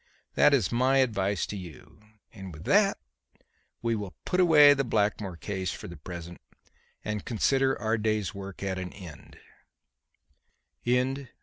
That is my advice to you; and with that we will put away the Blackmore case for the present and consider our day's work at an end."